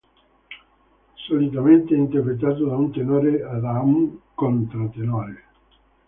Solitamente è interpretato da un tenore o da un controtenore.